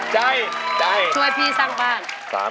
ใจช่วยพี่สร้างบ้าน